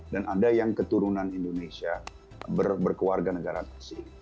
dan ada yang keturunan indonesia berkeluarga negara asing